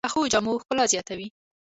پخو جامو ښکلا زیاته وي